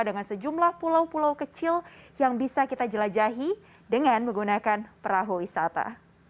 dengan sejumlah pulau pulau kecil yang bisa kita jelajahi dengan menggunakan perahu wisata